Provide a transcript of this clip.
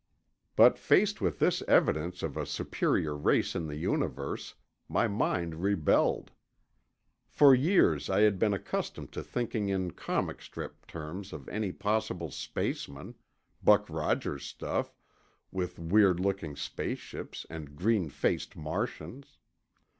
But faced with this evidence of a superior race in the universe, my mind rebelled. For years, I had been accustomed to thinking in comic strip terms of any possible spacemen—Buck Rogers stuff, with weird looking space ships and green faced Martians.